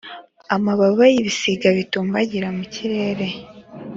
Amababa y ibisiga bitumbagira mukirere